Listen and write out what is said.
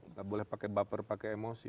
nggak boleh pakai baper pakai emosi